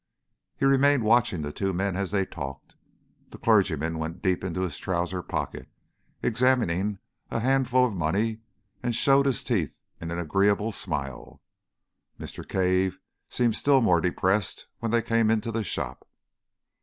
He remained watching the two men as they talked. The clergyman went deep into his trouser pocket, examined a handful of money, and showed his teeth in an agreeable smile. Mr. Cave seemed still more depressed when they came into the shop.